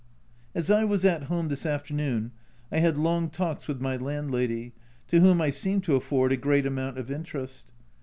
As I was at home this afternoon, I had long talks with my landlady, to whom I seem to afford a great amount of interest.